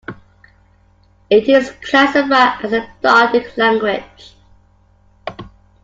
It is classified as a Dardic Language.